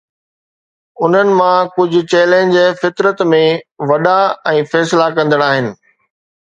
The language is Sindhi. انهن مان ڪجهه چئلينج فطرت ۾ وڏا ۽ فيصلا ڪندڙ آهن.